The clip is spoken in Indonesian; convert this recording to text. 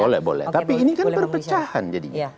boleh boleh tapi ini kan perpecahan jadinya